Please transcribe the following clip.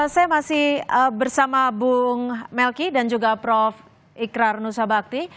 saya masih bersama bung melki dan juga prof ikrar nusa bakti